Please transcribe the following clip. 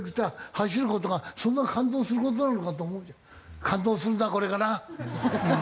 走る事がそんな感動する事なのかと思うけど感動するんだこれがな。ハハハハ！